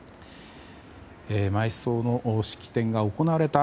埋葬の式典が行われた